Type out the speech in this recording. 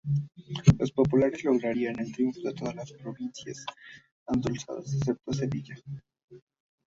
Los populares lograrían el triunfo en todas las provincias andaluzas excepto Sevilla.